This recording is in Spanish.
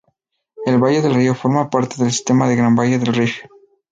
El valle del río forma parte del sistema del Gran Valle del Rift.